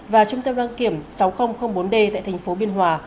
và trung tâm đăng kiểm sáu nghìn bốn d tại thành phố biên hòa